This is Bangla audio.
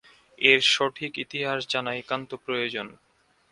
এর সঠিক ইতিহাস জানা একান্ত প্রয়োজন।